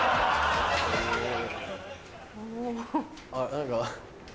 何か。